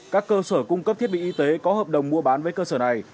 các cơ sở cung cấp thiết bị y tế có hợp đồng mua bán với cơ sở này